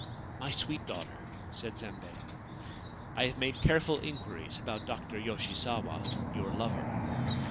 ' My sweet daughter/ said Zembei, ' I have made careful inquiries about Dr. Yoshisawa, your lover.